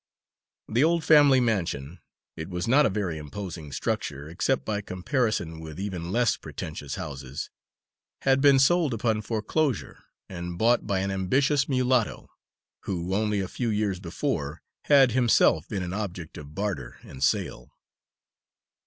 The old family "mansion" it was not a very imposing structure, except by comparison with even less pretentious houses had been sold upon foreclosure, and bought by an ambitious mulatto, who only a few years before had himself been an object of barter and sale.